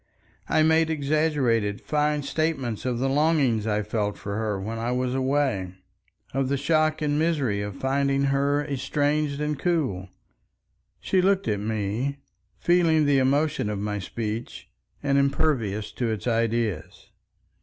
I made exaggerated fine statements of the longing I felt for her when I was away, of the shock and misery of finding her estranged and cool. She looked at me, feeling the emotion of my speech and impervious to its ideas.